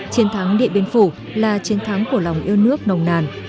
chiến thắng điện biên phủ là chiến thắng của lòng yêu nước nồng nàn